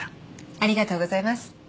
ありがとうございます。